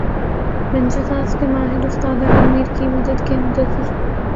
بنجو ساز کے ماہر استاد عقل میر کی مدد کے منتظر